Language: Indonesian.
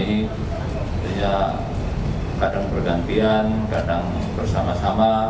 itu ya kadang bergantian kadang bersama sama